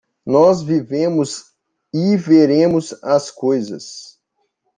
Nós vivemos e veremos as coisas.